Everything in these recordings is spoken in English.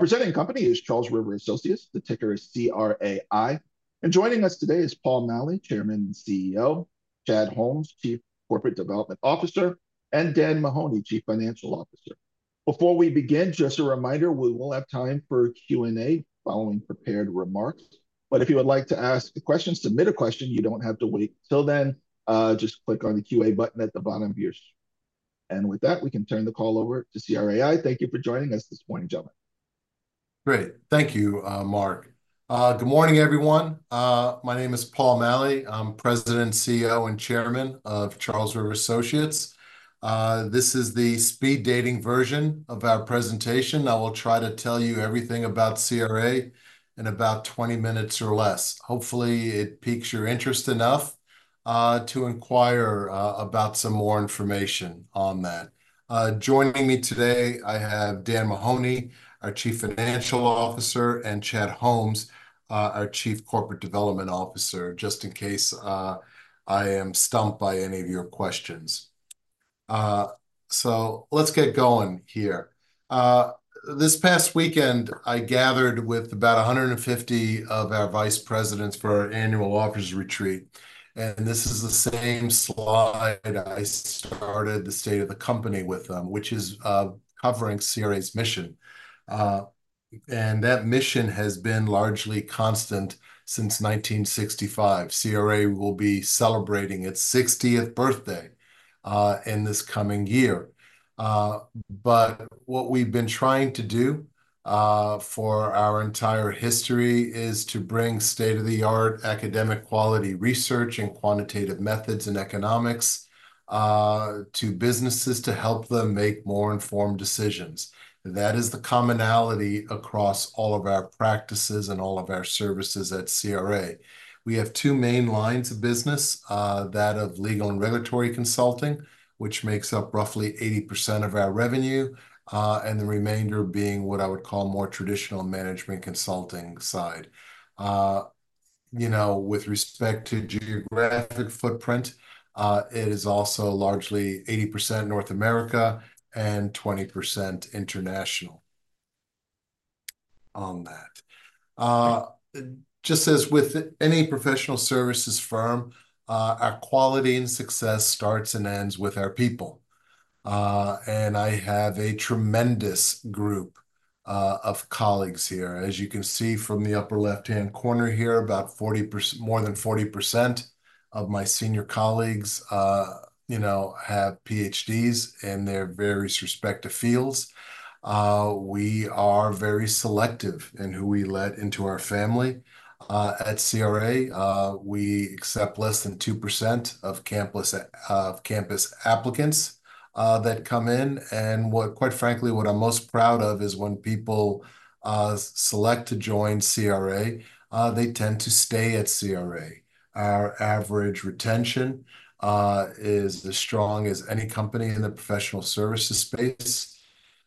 Our presenting company is Charles River Associates. The ticker is CRAI. And joining us today is Paul Maleh, Chairman and CEO; Chad Holmes, Chief Corporate Development Officer; and Dan Mahoney, Chief Financial Officer. Before we begin, just a reminder, we will have time for Q&A following prepared remarks, but if you would like to ask a question, submit a question, you don't have to wait until then. Just click on the Q&A button at the bottom of your screen. And with that, we can turn the call over to CRA. Thank you for joining us this morning, gentlemen. Great. Thank you, Mark. Good morning, everyone. My name is Paul Maleh. I'm President, CEO, and Chairman of Charles River Associates. This is the speed dating version of our presentation. I will try to tell you everything about CRA in about twenty minutes or less. Hopefully, it piques your interest enough to inquire about some more information on that. Joining me today, I have Dan Mahoney, our Chief Financial Officer, and Chad Holmes, our Chief Corporate Development Officer, just in case I am stumped by any of your questions. So let's get going here. This past weekend, I gathered with about 150 of our vice presidents for our annual officers' retreat, and this is the same slide I started the state of the company with them, which is covering CRA's mission. And that mission has been largely constant since 1965. CRA will be celebrating its 60th birthday, in this coming year. But what we've been trying to do, for our entire history, is to bring state-of-the-art academic quality research and quantitative methods in economics, to businesses to help them make more informed decisions. That is the commonality across all of our practices and all of our services at CRA. We have two main lines of business, that of legal and regulatory consulting, which makes up roughly 80% of our revenue, and the remainder being what I would call more traditional management consulting side. You know, with respect to geographic footprint, it is also largely 80% North America and 20% international on that. Just as with any professional services firm, our quality and success starts and ends with our people. And I have a tremendous group of colleagues here. As you can see from the upper left-hand corner here, about 40%—more than 40% of my senior colleagues, you know, have PhDs in their various respective fields. We are very selective in who we let into our family. At CRA, we accept less than 2% of campus applicants that come in. And what, quite frankly, what I'm most proud of is when people select to join CRA, they tend to stay at CRA. Our average retention is as strong as any company in the professional services space,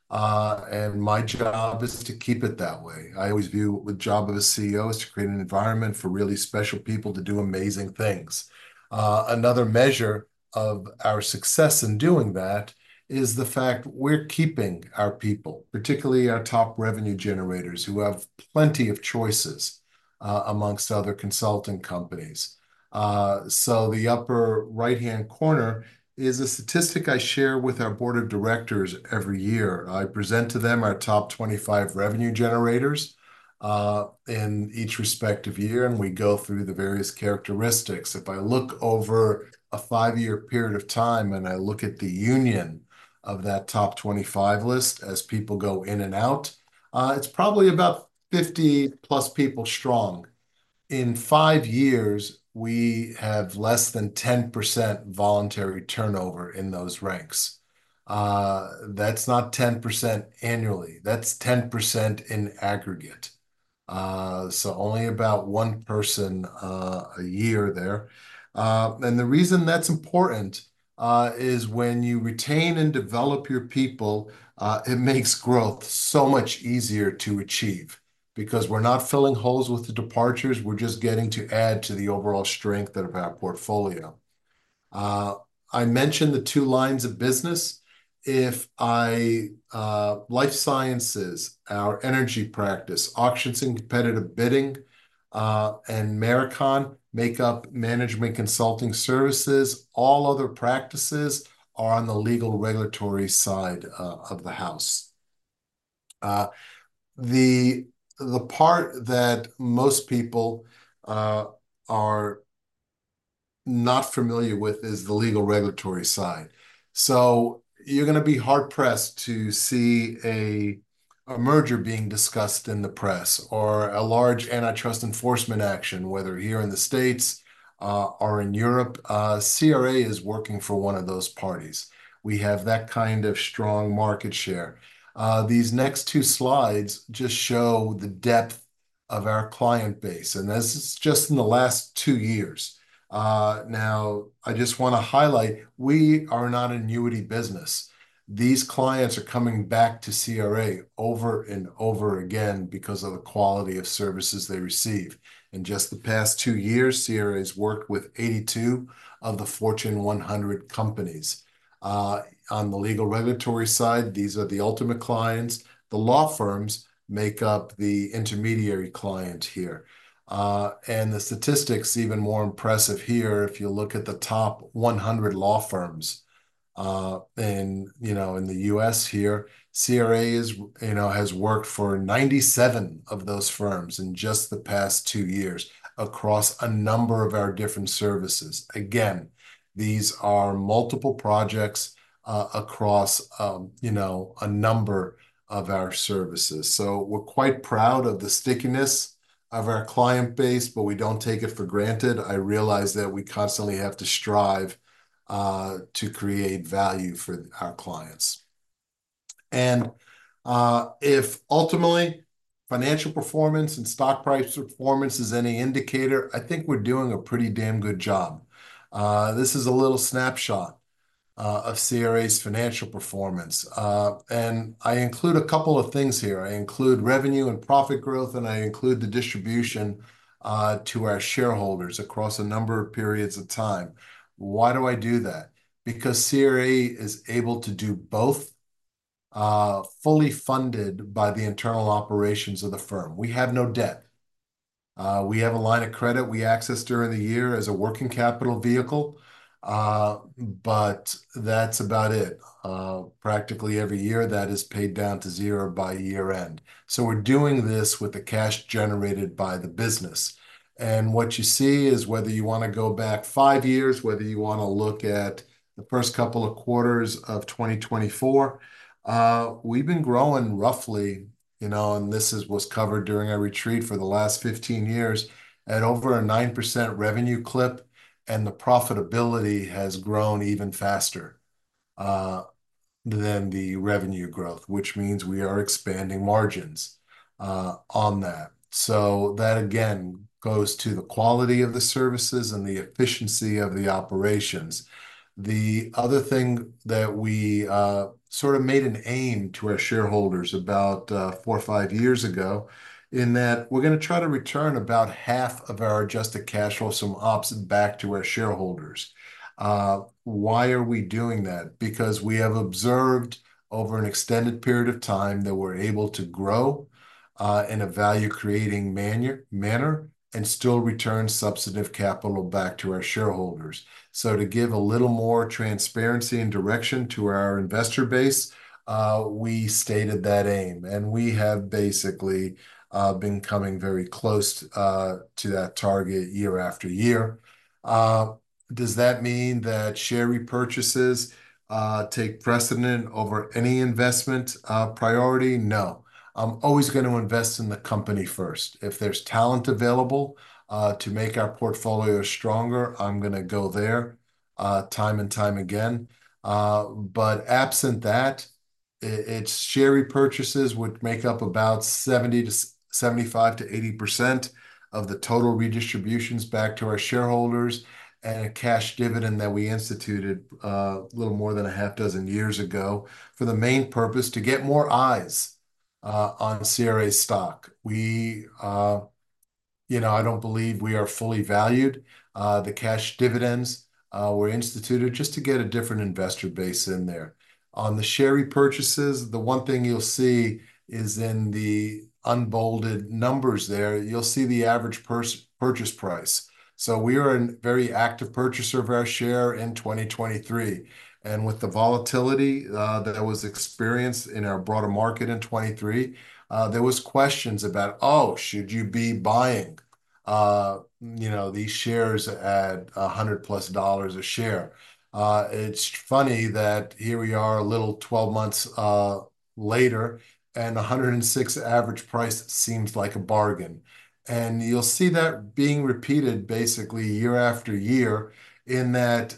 and my job is to keep it that way. I always view the job of a CEO is to create an environment for really special people to do amazing things. Another measure of our success in doing that is the fact we're keeping our people, particularly our top revenue generators, who have plenty of choices, among other consulting companies. So the upper right-hand corner is a statistic I share with our board of directors every year. I present to them our top 25 revenue generators, in each respective year, and we go through the various characteristics. If I look over a five-year period of time, and I look at the union of that top 25 list as people go in and out, it's probably about 50+ people strong. In five years, we have less than 10% voluntary turnover in those ranks. That's not 10% annually, that's 10% in aggregate, so only about one person a year there. And the reason that's important is when you retain and develop your people, it makes growth so much easier to achieve because we're not filling holes with the departures, we're just getting to add to the overall strength of our portfolio. I mentioned the two lines of business. If Life sciences our energy practice, auctions and competitive bidding, and Marakon make up management consulting services. All other practices are on the legal regulatory side of the house. The part that most people are not familiar with is the legal regulatory side. So you're gonna be hard-pressed to see a merger being discussed in the press or a large antitrust enforcement action, whether here in the States, or in Europe. CRA is working for one of those parties. We have that kind of strong market share. These next two slides just show the depth of our client base, and this is just in the last two years. Now, I just wanna highlight, we are not an annuity business. These clients are coming back to CRA over and over again because of the quality of services they receive. In just the past two years, CRA has worked with 82 of the Fortune 100 companies. On the legal regulatory side, these are the ultimate clients. The law firms make up the intermediary client here. And the statistics even more impressive here, if you look at the top 100 law firms and, you know, in the U.S. here, CRA is, you know, has worked for 97 of those firms in just the past two years across a number of our different services. Again, these are multiple projects, across a number of our services, so we're quite proud of the stickiness of our client base, but we don't take it for granted. I realize that we constantly have to strive to create value for our clients, and if ultimately financial performance and stock price performance is any indicator, I think we're doing a pretty damn good job. This is a little snapshot of CRA's financial performance, and I include a couple of things here. I include revenue and profit growth, and I include the distribution to our shareholders across a number of periods of time. Why do I do that? Because CRA is able to do both, fully funded by the internal operations of the firm. We have no debt. We have a line of credit we access during the year as a working capital vehicle, but that's about it. Practically every year, that is paid down to zero by year-end. So we're doing this with the cash generated by the business. What you see is whether you wanna go back five years, whether you wanna look at the first couple of quarters of 2024, we've been growing roughly, you know, and this was covered during our retreat for the last 15 years, at over a 9% revenue clip, and the profitability has grown even faster than the revenue growth, which means we are expanding margins on that. So that, again, goes to the quality of the services and the efficiency of the operations. The other thing that we sort of made an aim to our shareholders about four or five years ago, in that we're gonna try to return about half of our adjusted cash flow from ops back to our shareholders. Why are we doing that? Because we have observed over an extended period of time that we're able to grow in a value-creating manner, and still return substantive capital back to our shareholders. So to give a little more transparency and direction to our investor base, we stated that aim, and we have basically been coming very close to that target year after year. Does that mean that share repurchases take precedence over any investment priority? No. I'm always gonna invest in the company first. If there's talent available to make our portfolio stronger, I'm gonna go there time and time again. But absent that, it's share repurchases would make up about 70-75-80% of the total redistributions back to our shareholders and a cash dividend that we instituted a little more than a half dozen years ago, for the main purpose to get more eyes on CRA stock. We, You know, I don't believe we are fully valued. The cash dividends were instituted just to get a different investor base in there. On the share repurchases, the one thing you'll see is in the unbolded numbers there, you'll see the average purchase price. We are a very active purchaser of our share in 2023, and with the volatility that was experienced in our broader market in 2023, there was questions about, "Oh, should you be buying, you know, these shares at $100+ a share?" It's funny that here we are, a little 12 months later, and $106 average price seems like a bargain. You'll see that being repeated basically year after year, in that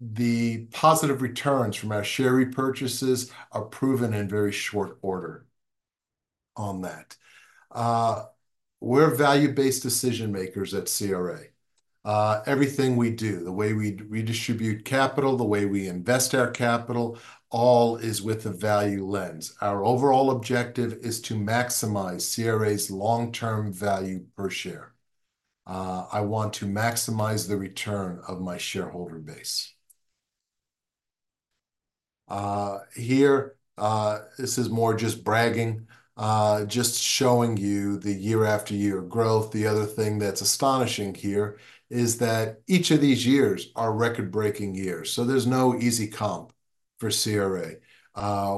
the positive returns from our share repurchases are proven in very short order on that. We're value-based decision-makers at CRA. Everything we do, the way we redistribute capital, the way we invest our capital, all is with a value lens. Our overall objective is to maximize CRA's long-term value per share. I want to maximize the return of my shareholder base. Here, this is more just bragging, just showing you the year after year growth. The other thing that's astonishing here is that each of these years are record-breaking years, so there's no easy comp for CRA.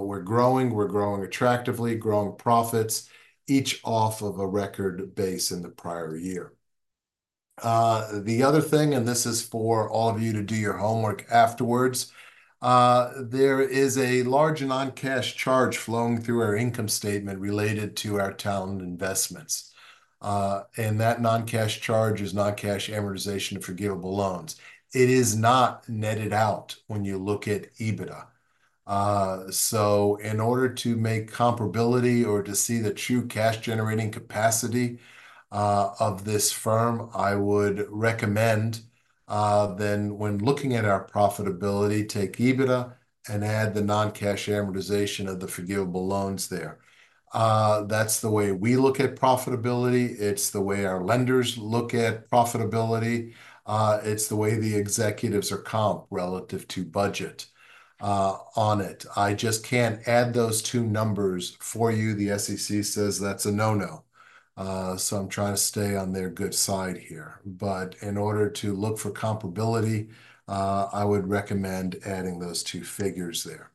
We're growing, we're growing attractively, growing profits, each off of a record base in the prior year. The other thing, and this is for all of you to do your homework afterwards, there is a large non-cash charge flowing through our income statement related to our talent investments, and that non-cash charge is non-cash amortization of forgivable loans. It is not netted out when you look at EBITDA. So in order to make comparability or to see the true cash-generating capacity of this firm, I would recommend then when looking at our profitability, take EBITDA and add the non-cash amortization of the forgivable loans there. That's the way we look at profitability. It's the way our lenders look at profitability. It's the way the executives are comped relative to budget on it. I just can't add those two numbers for you. The SEC says that's a no-no, so I'm trying to stay on their good side here. But in order to look for comparability, I would recommend adding those two figures there.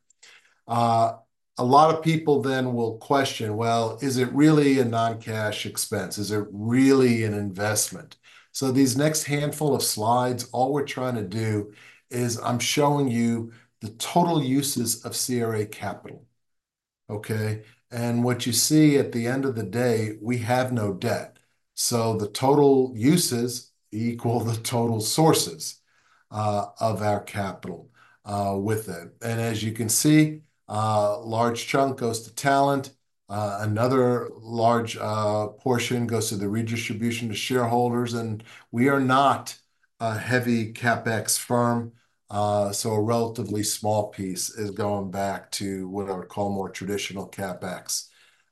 A lot of people then will question, well, is it really a non-cash expense? Is it really an investment? So these next handful of slides, all we're trying to do is I'm showing you the total uses of CRA capital, okay? And what you see at the end of the day, we have no debt, so the total uses equal the total sources of our capital with it. And as you can see, a large chunk goes to talent. Another large portion goes to the redistribution to shareholders. And we are not a heavy CapEx firm, so a relatively small piece is going back to what I would call more traditional CapEx.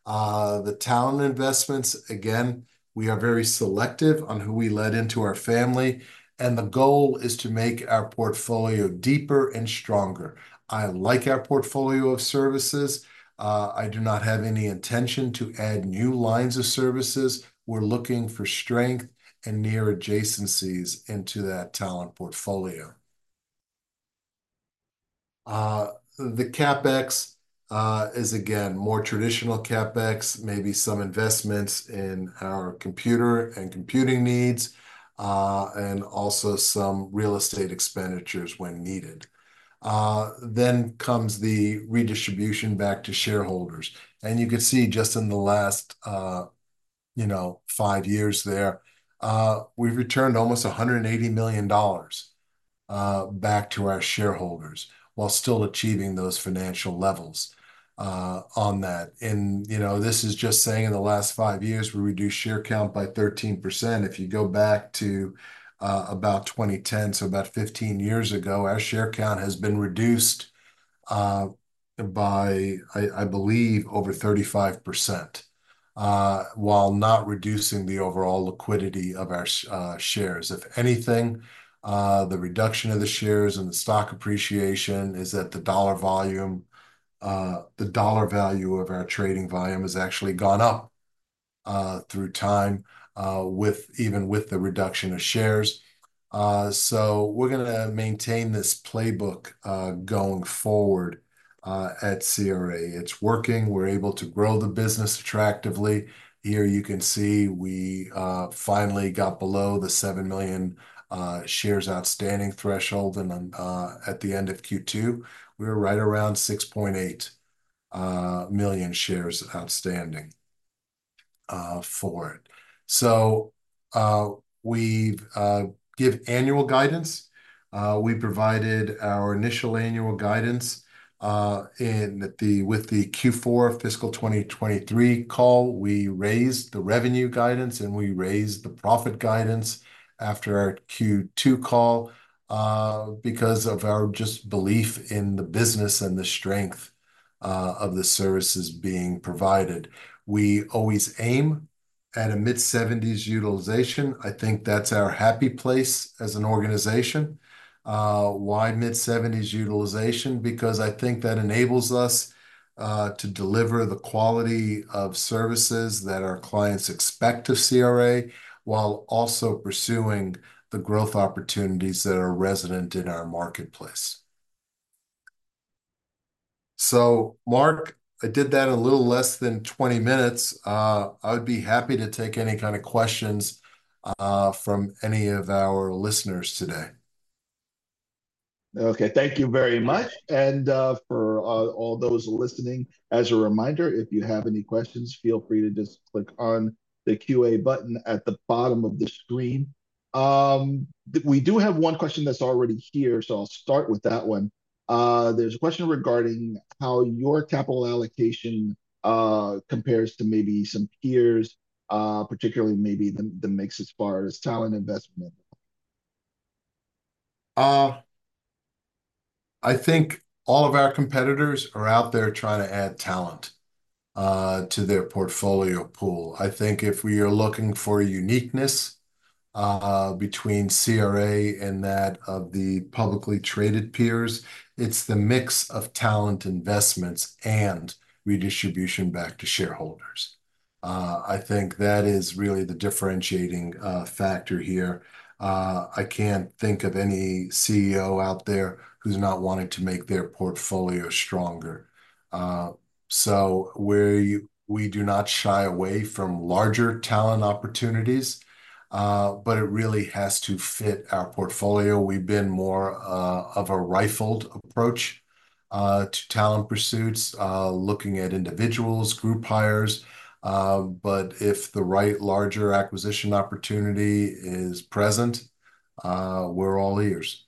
The talent investments, again, we are very selective on who we let into our family, and the goal is to make our portfolio deeper and stronger. I like our portfolio of services. I do not have any intention to add new lines of services. We're looking for strength and near adjacencies into that talent portfolio. The CapEx is, again, more traditional CapEx, maybe some investments in our computer and computing needs, and also some real estate expenditures when needed. Then comes the redistribution back to shareholders, and you can see just in the last, you know, five years there, we've returned almost $180 million back to our shareholders while still achieving those financial levels on that. And, you know, this is just saying in the last five years, we reduced share count by 13%. If you go back to about 2010, so about fifteen years ago, our share count has been reduced by, I believe, over 35% while not reducing the overall liquidity of our shares. If anything, the reduction of the shares and the stock appreciation is that the dollar volume, the dollar value of our trading volume has actually gone up, through time, even with the reduction of shares, so we're gonna maintain this playbook, going forward, at CRA. It's working. We're able to grow the business attractively. Here you can see we finally got below the 7 million shares outstanding threshold, and then, at the end of Q2, we were right around 6.8 million shares outstanding for it, so we've give annual guidance. We provided our initial annual guidance with the Q4 fiscal 2023 call. We raised the revenue guidance, and we raised the profit guidance after our Q2 call, because of our just belief in the business and the strength of the services being provided. We always aim at a mid seventies utilization. I think that's our happy place as an organization. Why mid seventies utilization? Because I think that enables us to deliver the quality of services that our clients expect of CRA, while also pursuing the growth opportunities that are resident in our marketplace. So, Mark, I did that in a little less than twenty minutes. I would be happy to take any kind of questions from any of our listeners today. Okay, thank you very much. And, for all those listening, as a reminder, if you have any questions, feel free to just click on the Q&A button at the bottom of the screen. We do have one question that's already here, so I'll start with that one. There's a question regarding how your capital allocation compares to maybe some peers, particularly maybe the mix as far as talent investment. I think all of our competitors are out there trying to add talent to their portfolio pool. I think if we are looking for uniqueness between CRA and that of the publicly traded peers, it's the mix of talent investments and redistribution back to shareholders. I think that is really the differentiating factor here. I can't think of any CEO out there who's not wanting to make their portfolio stronger. So we do not shy away from larger talent opportunities, but it really has to fit our portfolio. We've been more of a rifled approach to talent pursuits, looking at individuals, group hires, but if the right larger acquisition opportunity is present, we're all ears.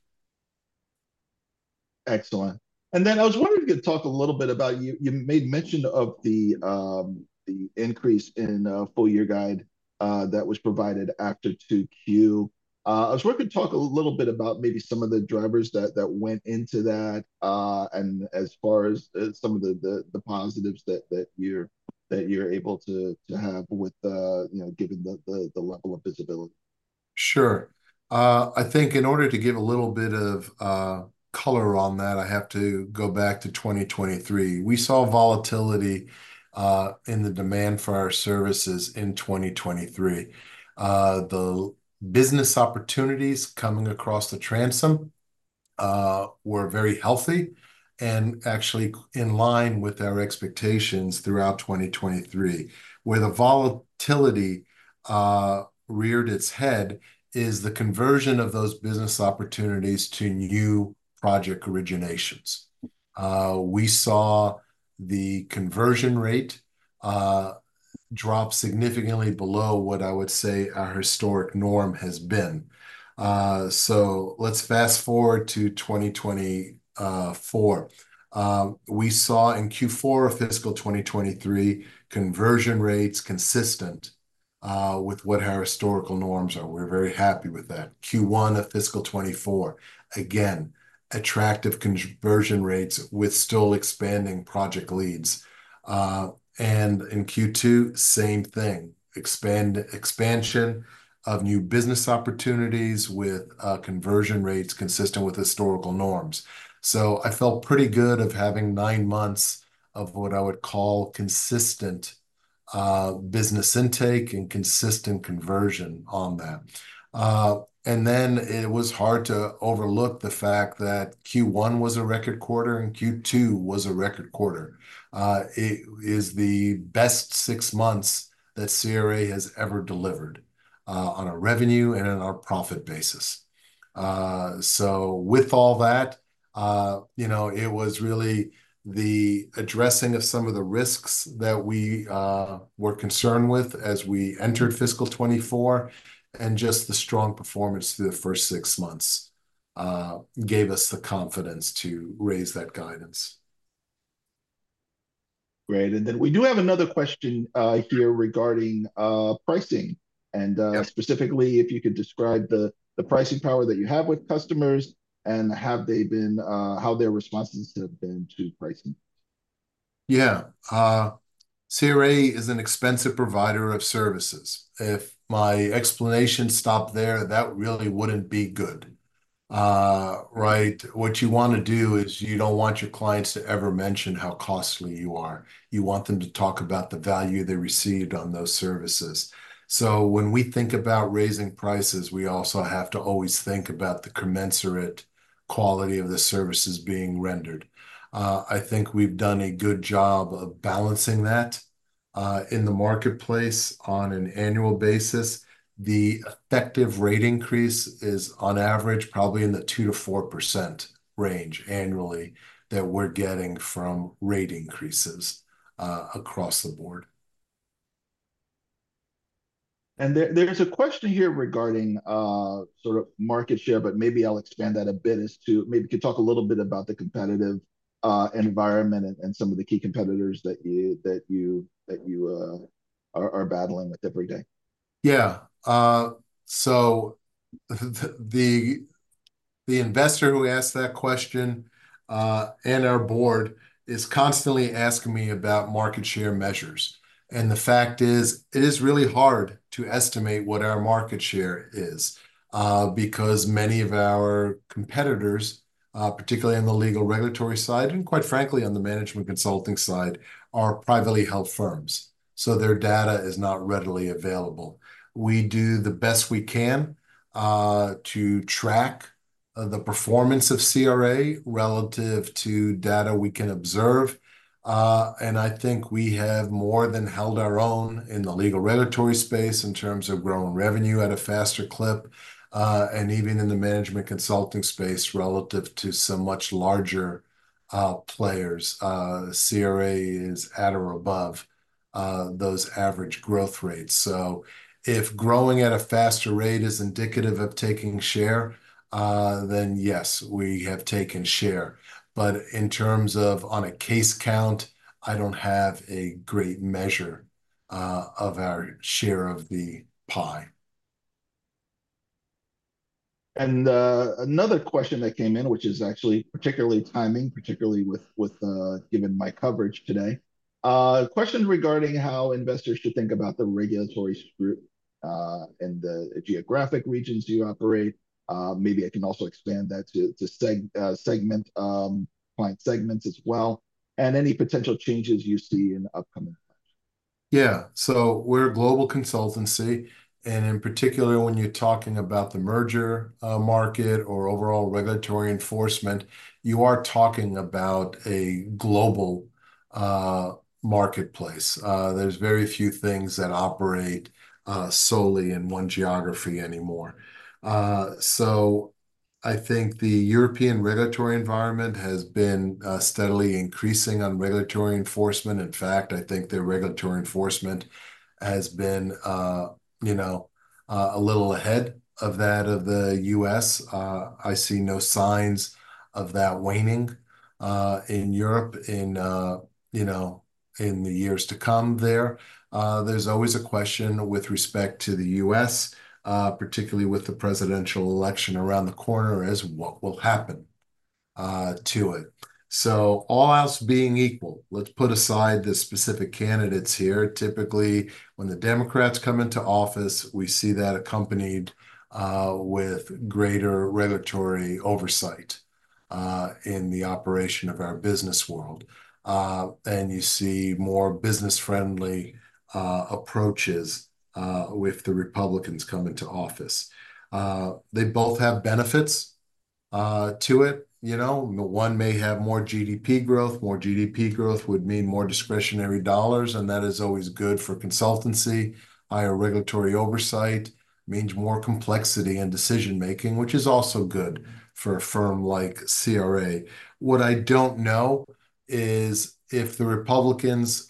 Excellent. And then I was wondering if you could talk a little bit about... You made mention of the increase in full year guide that was provided after 2Q. I was wondering if you could talk a little bit about maybe some of the drivers that went into that, and as far as some of the positives that you're able to have with, you know, given the level of visibility. Sure. I think in order to give a little bit of color on that, I have to go back to 2023. We saw volatility in the demand for our services in 2023. The business opportunities coming across the transom were very healthy and actually in line with our expectations throughout 2023. Where the volatility reared its head is the conversion of those business opportunities to new project originations. We saw the conversion rate drop significantly below what I would say our historic norm has been. So let's fast-forward to 2024. We saw in Q4 of fiscal 2023 conversion rates consistent with what our historical norms are. We're very happy with that. Q1 of fiscal 2024, again, attractive conversion rates with still expanding project leads. And in Q2, same thing, expansion of new business opportunities with conversion rates consistent with historical norms. So I felt pretty good about having nine months of what I would call consistent business intake and consistent conversion on that. And then it was hard to overlook the fact that Q1 was a record quarter, and Q2 was a record quarter. It is the best six months that CRA has ever delivered on a revenue and on a profit basis. So with all that, you know, it was really the addressing of some of the risks that we were concerned with as we entered fiscal 2024, and just the strong performance through the first six months gave us the confidence to raise that guidance. Great, and then we do have another question here regarding pricing, and- Yeah... specifically, if you could describe the pricing power that you have with customers, and how their responses have been to pricing? Yeah. CRA is an expensive provider of services. If my explanation stopped there, that really wouldn't be good. Right? What you wanna do is you don't want your clients to ever mention how costly you are. You want them to talk about the value they received on those services. So when we think about raising prices, we also have to always think about the commensurate quality of the services being rendered. I think we've done a good job of balancing that, in the marketplace on an annual basis. The effective rate increase is, on average, probably in the 2%-4% range annually that we're getting from rate increases, across the board. And there, there's a question here regarding sort of market share, but maybe I'll expand that a bit as to maybe you could talk a little bit about the competitive environment and some of the key competitors that you are battling with every day. Yeah, so the investor who asked that question, and our board is constantly asking me about market share measures, and the fact is, it is really hard to estimate what our market share is, because many of our competitors, particularly on the legal regulatory side, and quite frankly, on the management consulting side, are privately held firms, so their data is not readily available. We do the best we can, to track the performance of CRA relative to data we can observe, and I think we have more than held our own in the legal regulatory space in terms of growing revenue at a faster clip, and even in the management consulting space, relative to some much larger, players, CRA is at or above, those average growth rates. So if growing at a faster rate is indicative of taking share, then yes, we have taken share. But in terms of on a case count, I don't have a great measure of our share of the pie. And another question that came in, which is actually particularly timely, particularly with given my coverage today. Question regarding how investors should think about the regulatory scrutiny and the geographic regions you operate. Maybe I can also expand that to segment client segments as well, and any potential changes you see in the upcoming months. Yeah. So we're a global consultancy, and in particular, when you're talking about the merger market or overall regulatory enforcement, you are talking about a global marketplace. There's very few things that operate solely in one geography anymore. So I think the European regulatory environment has been steadily increasing on regulatory enforcement. In fact, I think their regulatory enforcement has been, you know, a little ahead of that of the U.S. I see no signs of that waning in Europe in, you know, in the years to come there. There's always a question with respect to the U.S., particularly with the presidential election around the corner, as what will happen to it. So all else being equal, let's put aside the specific candidates here. Typically, when the Democrats come into office, we see that accompanied with greater regulatory oversight in the operation of our business world, and you see more business-friendly approaches with the Republicans coming to office. They both have benefits to it, you know? One may have more GDP growth. More GDP growth would mean more discretionary dollars, and that is always good for consultancy. Higher regulatory oversight means more complexity in decision-making, which is also good for a firm like CRA. What I don't know is if the Republicans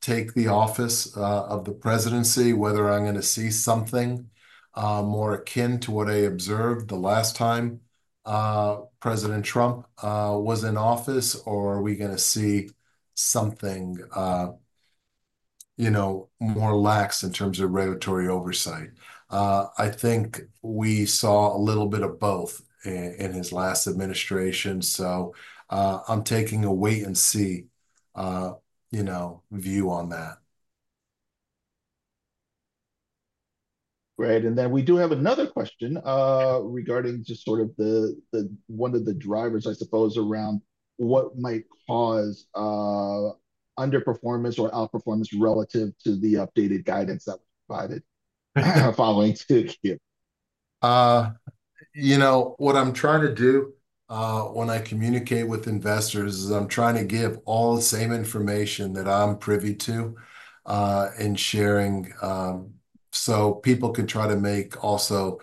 take the office of the presidency, whether I'm gonna see something more akin to what I observed the last time President Trump was in office, or are we gonna see something, you know, more lax in terms of regulatory oversight? I think we saw a little bit of both in his last administration, so, I'm taking a wait and see, you know, view on that. Great, and then we do have another question regarding just sort of one of the drivers, I suppose, around what might cause underperformance or outperformance relative to the updated guidance that was provided following to Q. You know, what I'm trying to do, when I communicate with investors, is I'm trying to give all the same information that I'm privy to and sharing, so people can try to make also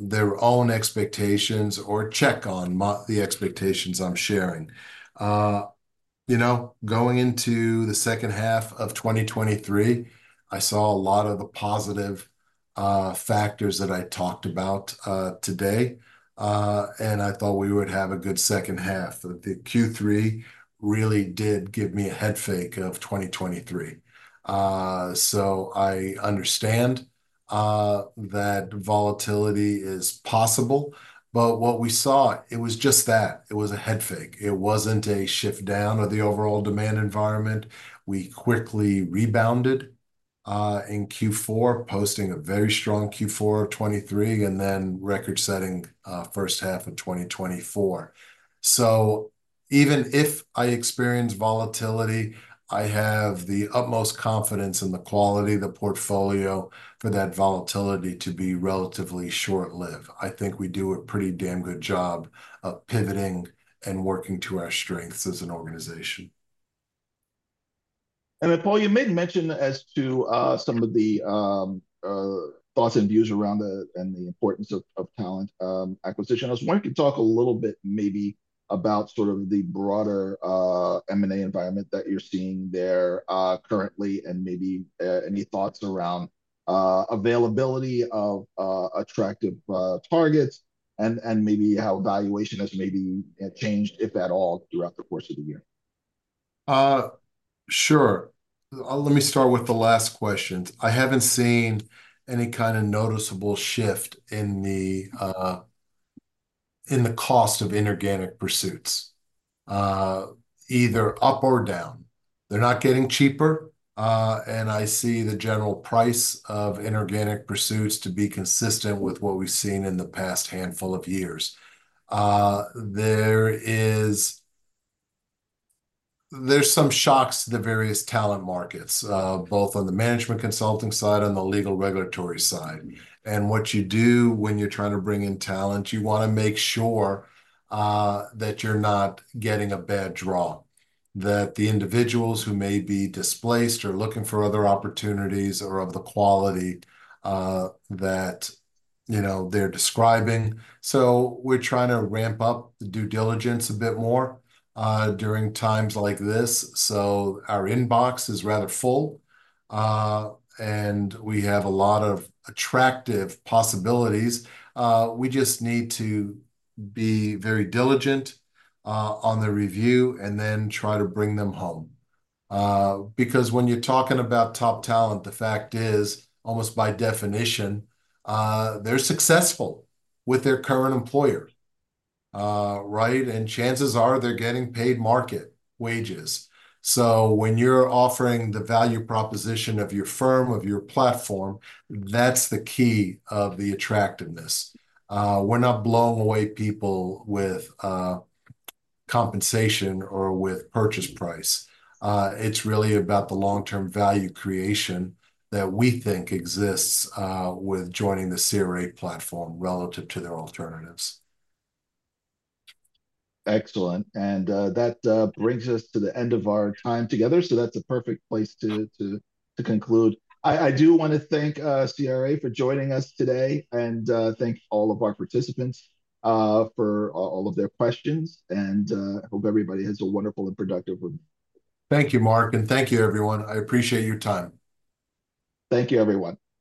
their own expectations or check on the expectations I'm sharing. You know, going into the second half of 2023, I saw a lot of the positive factors that I talked about today, and I thought we would have a good second half. The Q3 really did give me a head fake of 2023. So I understand that volatility is possible, but what we saw, it was just that. It was a head fake. It wasn't a shift down of the overall demand environment. We quickly rebounded in Q4, posting a very strong Q4 of 2023, and then record-setting first half of 2024. So even if I experience volatility, I have the utmost confidence in the quality of the portfolio for that volatility to be relatively short-lived. I think we do a pretty damn good job of pivoting and working to our strengths as an organization. And then, Paul, you made mention as to some of the thoughts and views around the importance of talent acquisition. I was wondering if you could talk a little bit maybe about sort of the broader M&A environment that you're seeing there currently, and maybe any thoughts around availability of attractive targets and maybe how valuation has maybe changed, if at all, throughout the course of the year. Sure. Let me start with the last question. I haven't seen any kind of noticeable shift in the cost of inorganic pursuits, either up or down. They're not getting cheaper, and I see the general price of inorganic pursuits to be consistent with what we've seen in the past handful of years. There's some shocks to the various talent markets, both on the management consulting side and the legal regulatory side, and what you do when you're trying to bring in talent, you wanna make sure that you're not getting a bad draw, that the individuals who may be displaced or looking for other opportunities are of the quality that, you know, they're describing. So we're trying to ramp up the due diligence a bit more during times like this, so our inbox is rather full. And we have a lot of attractive possibilities. We just need to be very diligent on the review and then try to bring them home. Because when you're talking about top talent, the fact is, almost by definition, they're successful with their current employer, right? And chances are they're getting paid market wages. So when you're offering the value proposition of your firm, of your platform, that's the key of the attractiveness. We're not blowing away people with compensation or with purchase price. It's really about the long-term value creation that we think exists with joining the CRA platform relative to their alternatives. Excellent, and that brings us to the end of our time together, so that's a perfect place to conclude. I do wanna thank CRA for joining us today, and thank all of our participants for all of their questions, and I hope everybody has a wonderful and productive week. Thank you, Mark, and thank you, everyone. I appreciate your time. Thank you, everyone. Bye-bye.